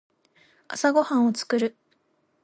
朝ごはんを作る。